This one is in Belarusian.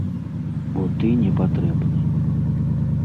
Бо ты не патрэбны.